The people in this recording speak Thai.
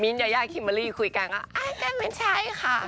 มิ้นท์ยาย่ากิมมารี่คุยกันเขาก็ไม่ใช่ค่ะ